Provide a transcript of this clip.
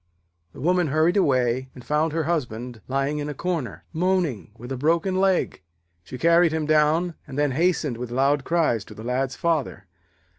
The woman hurried away and found her husband lying in the corner, moaning, with a broken leg. She carried him down, and then hastened with loud cries to the Lad's father.